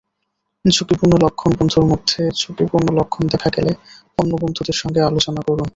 ঝুঁকিপূর্ণ লক্ষণবন্ধুর মধ্যে ঝুঁকিপূর্ণ লক্ষণ দেখা গেলে অন্য বন্ধুদের সঙ্গে আলোচনা করুন।